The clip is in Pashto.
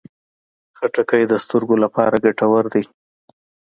خټکی د سترګو لپاره ګټور دی.